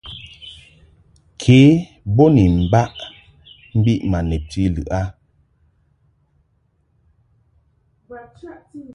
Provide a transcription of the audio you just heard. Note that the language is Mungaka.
Ke bo ni mbaʼ mbiʼ ma nebti lɨʼ a.